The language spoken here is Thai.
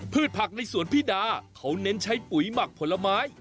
ผักในสวนพิดาเขาเน้นใช้ปุ๋ยหมักผลไม้